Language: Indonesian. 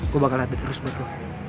gue bakal habis terus buat lo